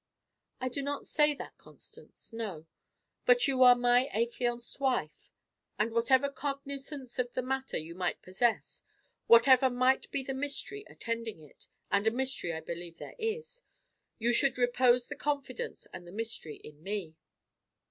"I do not say that, Constance. No. But you are my affianced wife; and, whatever cognizance of the matter you might possess, whatever might be the mystery attending it and a mystery I believe there is you should repose the confidence and the mystery in me."